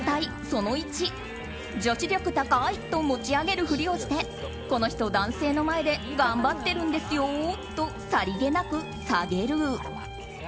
その１女子力高い！と持ち上げるふりをしてこの人、男性の前で頑張ってるんですよとさりげなく下げる。